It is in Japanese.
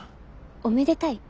おめでたい？